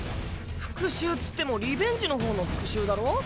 復習っつってもリベンジの方の復讐だろ？